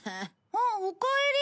あっおかえり。